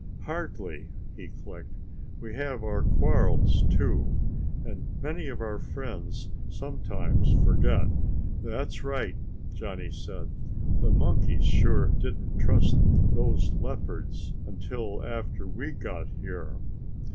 "Hardly," he clicked. "We have our quarrels too, and many of our friends sometimes forget." "That's right," Johnny said. "The monkeys sure didn't trust those leopards until after we got here."